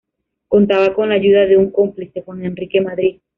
Contaba con la ayuda de un cómplice: Juan Enrique Madrid.